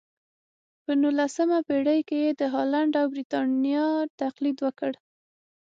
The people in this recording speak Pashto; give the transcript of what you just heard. په نولسمه پېړۍ کې یې د هالنډ او برېټانیا تقلید وکړ.